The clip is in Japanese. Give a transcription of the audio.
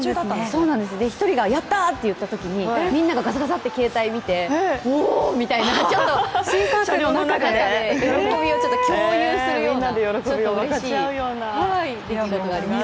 １人がやったーといったときに、みんなががさがさっと携帯を見ておおっみたいな、新幹線の中で喜びを共有するような、ちょっとうれしい出来事がありました。